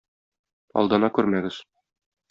Алдана күрмәгез!